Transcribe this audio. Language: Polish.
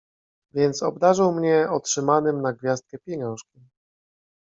Więc obdarzył mnie otrzymanym na gwiazdkę pieniążkiem.